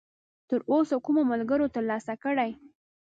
تراوسه کومو ملګرو ترلاسه کړی!؟